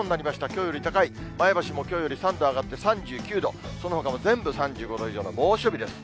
きょうより高い、前橋もきょうより３度上がって３９度、そのほかも全部３５度以上の猛暑日です。